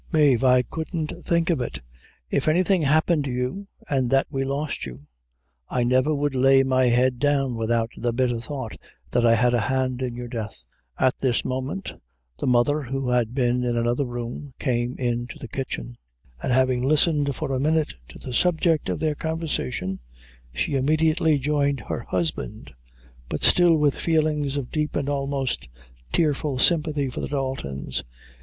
"Mave, I couldn't think of it; if anything happened you, an' that we lost you, I never would lay my head down without the bitther thought that I had a hand in your death." At this moment, the mother who had been in another room, came in to the kitchen and having listened for a minute to the subject of their conversation, she immediately joined her husband; but still with feelings of deep and almost tearful sympathy for the Daltons.